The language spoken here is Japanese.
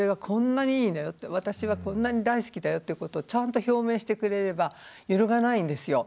私はこんなに大好きだよっていうことをちゃんと表明してくれれば揺るがないんですよ。